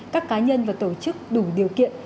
các cá nhân và tổ chức đủ điều kiện